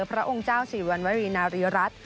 พระองค์เจ้าศรีวรรณวรีนารีรัฐ